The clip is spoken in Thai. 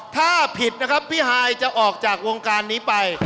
ถ้าผิดนะครับพี่ฮายจะออกจากวงการนี้ไป